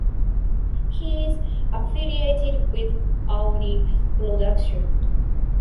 He is affiliated with Aoni Production.